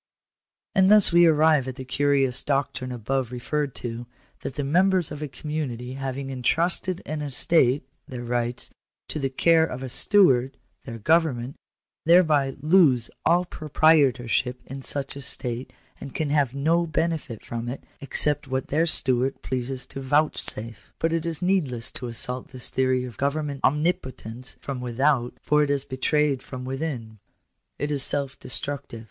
And thus we arrive at the curious doctrine above referred to, that the members of a community having entrusted an estate (their rights) to the care of a steward (their government), thereby lose all proprietorship in such estate, and can have no benefit from it, except what their steward pleases to vouchsafe ! §6. But it is needless to assault this theory of government omnipotence from without, for it is betrayed from within. It is self destructive.